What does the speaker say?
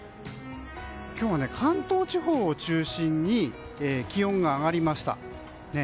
今日は関東地方を中心に気温が上がりました。